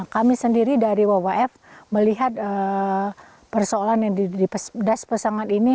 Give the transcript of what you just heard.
kami sendiri dari wwf melihat persoalan yang di das pesangan ini